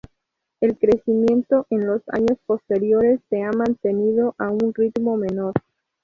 El crecimiento en años posteriores se ha mantenido a un ritmo menor.